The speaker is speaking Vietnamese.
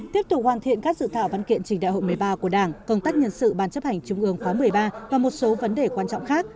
tiếp tục hoàn thiện các dự thảo văn kiện trình đại hội một mươi ba của đảng công tác nhân sự ban chấp hành trung ương khóa một mươi ba và một số vấn đề quan trọng khác